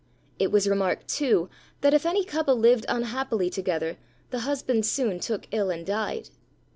It was remarked, too, that if any couple lived unhappily together, the husband soon took ill and died.